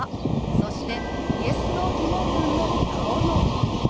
そしてＹｅｓ／Ｎｏー疑問文の顔の動き